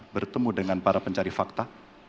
bertemu dengan para pencari fakta